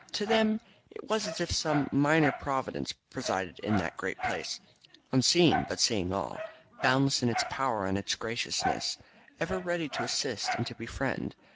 To them it was as if some minor Providence presided in that great place, unseen but seeing all, boundless in its power and its graciousness, ever ready to assist and to befriend.